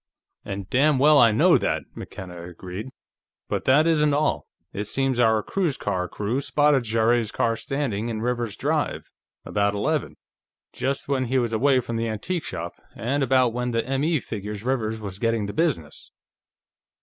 "And damn well I know that!" McKenna agreed. "But that isn't all. It seems our cruise car crew spotted Jarrett's car standing in Rivers's drive, about eleven. Just when he was away from the antique shop, and about when the M.E. figures Rivers was getting the business."